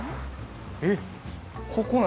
えっ！